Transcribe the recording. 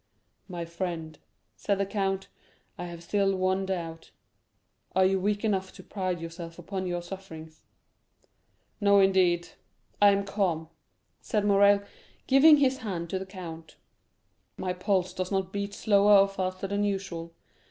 50267m "My friend," said the count, "I have still one doubt,—are you weak enough to pride yourself upon your sufferings?" "No, indeed,—I am calm," said Morrel, giving his hand to the count; "my pulse does not beat slower or faster than usual.